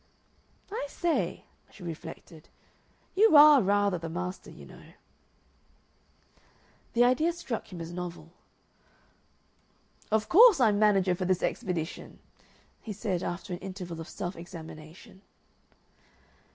"I say," she reflected, "you ARE rather the master, you know." The idea struck him as novel. "Of course I'm manager for this expedition," he said, after an interval of self examination.